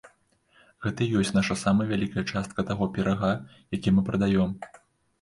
Гэта і ёсць наша самая вялікая частка таго пірага, які мы прадаём.